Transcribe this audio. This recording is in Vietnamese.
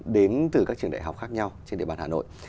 đến từ các trường đại học khác nhau trên địa bàn hà nội